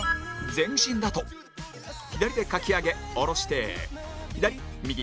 全身だと左でかき上げ下ろして左右左